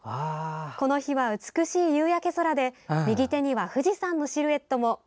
「この日は美しい夕焼け空で右手には富士山のシルエットも。